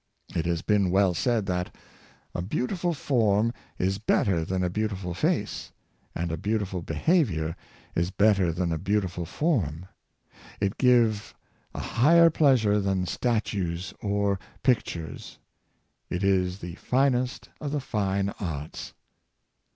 It has been well said that *' a beautiful form is better than a beautiful face, and a beautiful behavior is better than a beautiful form; it give a higher pleasure than statues or pictures — it is the finest of the fine arts."